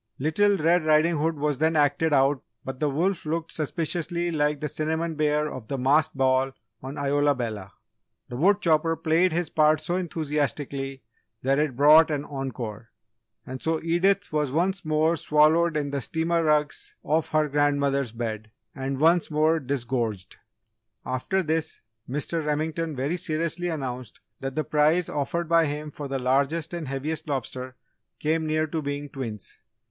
Little Red Riding Hood was then acted but the wolf looked suspiciously like the cinnamon bear of the masked ball on Isola Bella. The wood chopper played his part so enthusiastically that it brought an encore, and so Edith was once more swallowed in the steamer rugs of her grandmother's bed, and once more disgorged. After this, Mr. Remington very seriously announced that the prize offered by him for the largest and heaviest lobster came near to being twins.